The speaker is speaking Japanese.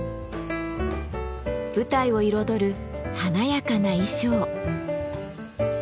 舞台を彩る華やかな衣装。